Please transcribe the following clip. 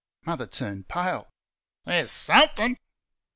Mother turned pale. "There's SOMETHING